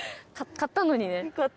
買ったのに。